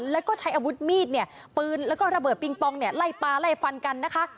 แล้วก็ใช้อาวุธมีดเนี่ยปืนแล้วก็ระเบิดปิงปองเนี่ยไล่ปลาไล่ฟันกันนะคะ